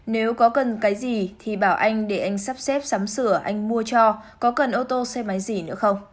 nếu có cần cái gì thì bảo anh để anh sắp xếp sắm sửa anh mua cho có cần ô tô xe máy gì nữa không